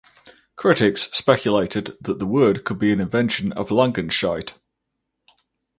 Critics speculated that the word could be an invention of Langenscheidt.